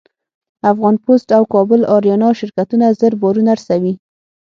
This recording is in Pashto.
افغان پسټ او کابل اریانا شرکتونه زر بارونه رسوي.